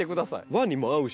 和にも合うし。